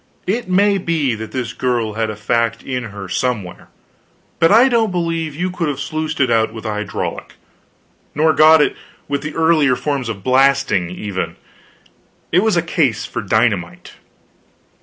It may be that this girl had a fact in her somewhere, but I don't believe you could have sluiced it out with a hydraulic; nor got it with the earlier forms of blasting, even; it was a case for dynamite.